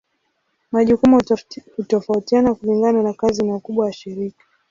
Majukumu hutofautiana kulingana na kazi na ukubwa wa shirika.